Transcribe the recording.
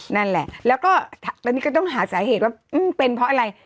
นั่นแหละแล้วก็ตอนนี้ก็ต้องหาสาเหตุว่าเป็นเพราะอะไร